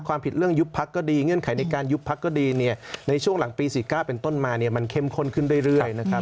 ความผิดเรื่องยุบพักก็ดีเงื่อนไขในการยุบพักก็ดีเนี่ยในช่วงหลังปี๔๙เป็นต้นมาเนี่ยมันเข้มข้นขึ้นเรื่อยนะครับ